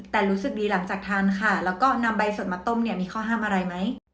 แต่รู้สึกดีหลังจากทานค่ะแล้วก็นำใบสดมาต้มเนี่ยมีข้อห้ามอะไรไหม